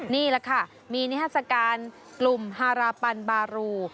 นี่แหละค่ะมีนิทัศกาลกลุ่มฮาราปันบารู